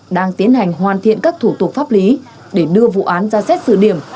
đang tiến hành hoàn thiện các thủ tục pháp lý để đưa vụ án ra xét xử điểm